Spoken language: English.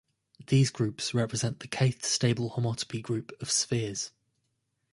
These groups represent the "k"th stable homotopy group of spheres.